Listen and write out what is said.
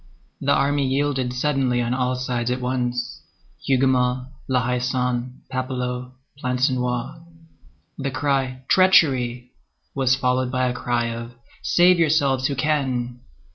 The army yielded suddenly on all sides at once,—Hougomont, La Haie Sainte, Papelotte, Plancenoit. The cry "Treachery!" was followed by a cry of "Save yourselves who can!"